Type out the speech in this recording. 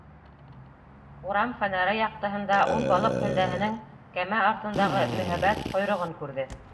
Урам фонары яҡтыһында ул балыҡ һөлдәһенең кәмә артындағы мөһабәт ҡойроғон күрҙе.